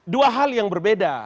dua hal yang berbeda